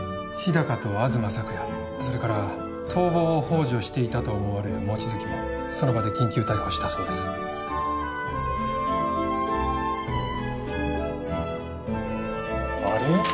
高と東朔也それから逃亡を幇助していたと思われる望月もその場で緊急逮捕したそうですあれ？